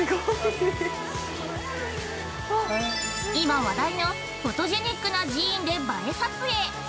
◆今話題のフォトジェニックな寺院で映え撮影。